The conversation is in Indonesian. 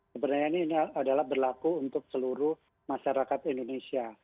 sebenarnya ini adalah berlaku untuk seluruh masyarakat indonesia